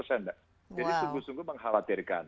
jadi sungguh sungguh mengkhawatirkan